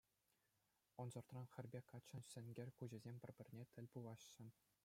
Ӑнсӑртран хӗрпе каччӑн сенкер куҫӗсем пӗр-пӗрне тӗл пулаҫҫӗ.